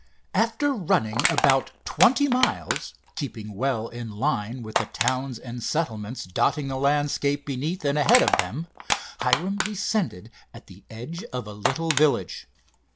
After running about twenty miles, keeping well in line with the towns and settlements dotting the landscape beneath and ahead of them, Hiram descended at the edge of a little village.